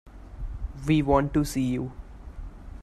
We want to see you.